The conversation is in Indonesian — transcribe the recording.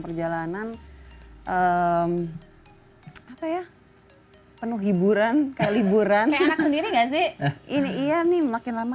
perjalanan eh apa ya penuh hiburan kayak liburan kayak anak sendiri gak sih ini iya nih makin lama